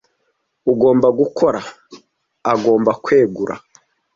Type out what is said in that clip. Ugomba gukora! agomba kwegura